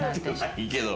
いいけど。